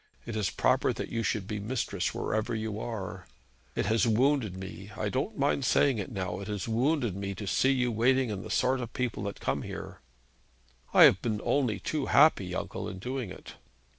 It is proper that you should be mistress wherever you are. It has wounded me I don't mind saying it now it has wounded me to see you waiting on the sort of people that come here.' 'I have only been too happy, uncle, in doing it.'